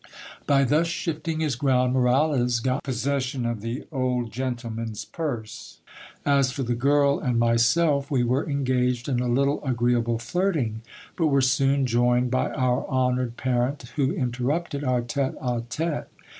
By thus shifting his ground, Moralez got possession of the old gentleman's purse. As for the girl and myself, we were engaged in a little agreeable flirt ing ; but were soon joined by our honoured parent, who interrupted our tete a tete.